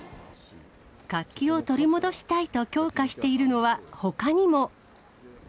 活気を取り戻したいと強化しているのは、ほかにも。